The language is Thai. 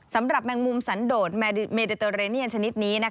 สำหรับแมงมุมสันโดดเมดิเตอรีเนียนชนิดนี้